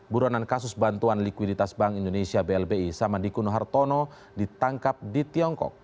buronan kasus bantuan likuiditas bank indonesia blbi samadikun hartono ditangkap di tiongkok